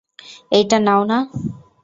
এইটা নাও না?